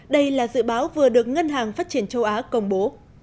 đây là dự báo vừa được ngân hàng phát triển châu á công bố